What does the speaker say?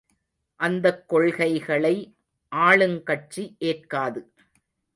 அந்தக் கொள்கைகளை ஆளுங்கட்சி ஏற்காது.